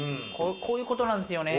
こういうことなんですよね。